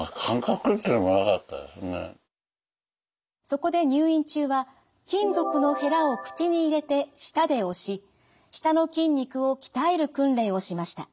そこで入院中は金属のへらを口に入れて舌で押し舌の筋肉を鍛える訓練をしました。